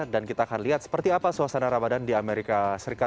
dan kita akan lihat seperti apa suasana ramadan di amerika serikat